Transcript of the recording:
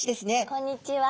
こんにちは。